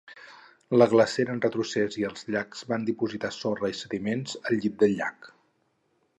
La glacera en retrocés i els llacs van dipositar sorra i sediments al llit del llac.